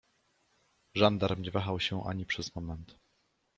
Żandarm nie wahał się ani przez moment.